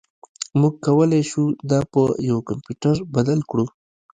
موږ کولی شو دا په یو کمپیوټر بدل کړو